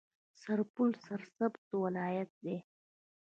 سرپل سرسبزه ولایت دی.